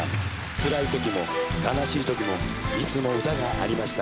つらいときも悲しいときもいつも歌がありました。